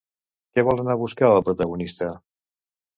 Què vol anar a buscar el protagonista?